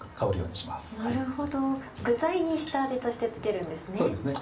なるほど具材に下味として付けるんですね。